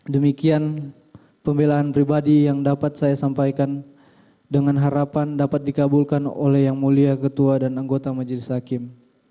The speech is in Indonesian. demikian pembelaan pribadi yang dapat saya sampaikan dengan harapan dapat dikabulkan oleh yang mulia ketua dan anggota majelis hakim